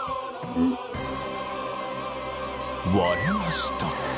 割れました。